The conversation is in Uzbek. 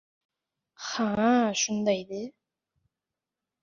— Ha-a, shunday de!